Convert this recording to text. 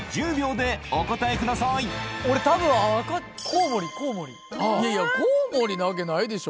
俺多分いやいやコウモリなわけないでしょ